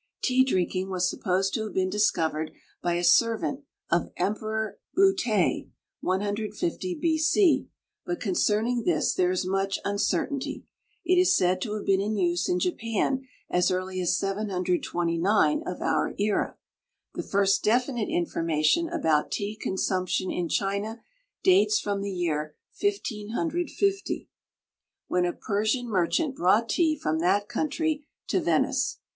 Tea drinking was supposed to have been discovered by a servant of Emperor Buttei, 150 B. C., but concerning this there is much uncertainty. It is said to have been in use in Japan as early as 729 of our era. The first definite information about tea consumption in China dates from the year 1550, when a Persian merchant brought tea from that country to Venice.